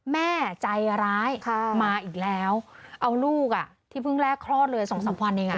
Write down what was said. แม่ใจร้ายมาอีกแล้วเอาลูกอ่ะที่เพิ่งแรกคลอดเลย๒๓วันเองอ่ะ